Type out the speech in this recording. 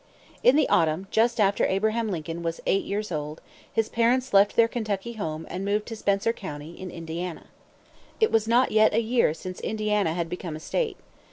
In the autumn, just after Abraham Lincoln was eight years old, his parents left their Kentucky home and moved to Spencer county, in Indiana. It was not yet a year since Indiana had become a state.